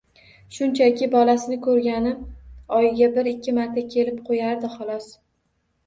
Shunchaki, bolasini ko'rgani oyda bir-ikki marta kelib qo'yardi, xolos